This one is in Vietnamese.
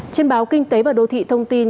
trên báo kinh tế và đô thị thông tin